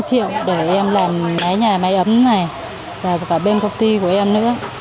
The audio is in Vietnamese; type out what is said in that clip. là bốn mươi triệu để em làm máy nhà máy ấm này và cả bên công ty của em nữa